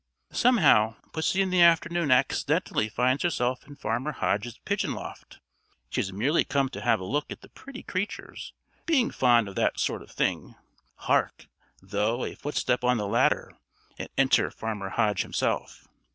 Somehow, pussy in the afternoon accidentally finds herself in Farmer Hodge's pigeon loft. She has merely come to have a look at the pretty creatures, being fond of that sort of thing. Hark! though, a footstep on the ladder, and enter Farmer Hodge himself.